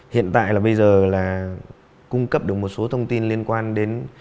hiện tại là bây giờ là cung cấp được một số thông tin liên quan đến